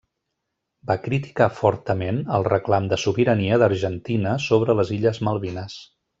Va criticar fortament el reclam de sobirania d'Argentina sobre les Illes Malvines.